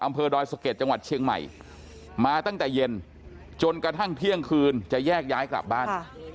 ดอยสะเก็ดจังหวัดเชียงใหม่มาตั้งแต่เย็นจนกระทั่งเที่ยงคืนจะแยกย้ายกลับบ้าน